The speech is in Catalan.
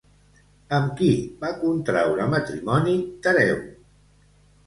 Amb qui va contreure matrimoni Tereu?